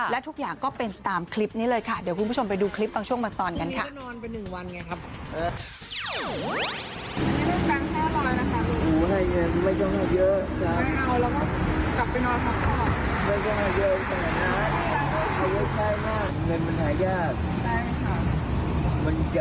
และทุกอย่างก็เป็นตามคลิปนี้เลยค่ะเดี๋ยวคุณผู้ชมไปดูคลิปบางช่วงบางตอนกันค่ะ